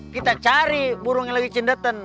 kita cari burung yang lagi cendetan